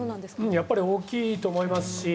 やっぱり大きいと思いますし